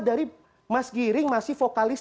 dari mas giring masih vokalis